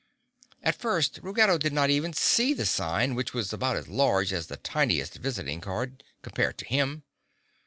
At first Ruggedo did not even see the sign, which was about as large as the tiniest visiting card—compared to him.